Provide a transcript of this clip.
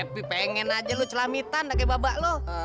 cepi pengen aja lu celamitan gak kaya babak lu